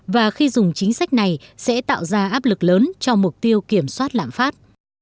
và khi dùng chính sách này sẽ tạo ra áp lực lớn cho mục tiêu kiểm soát lãm phát